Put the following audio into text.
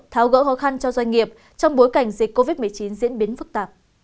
tháo gỡ khó khăn cho doanh nghiệp trong bối cảnh dịch covid một mươi chín diễn biến phức tạp